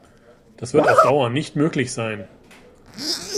Das wird auf Dauer nicht möglich sein.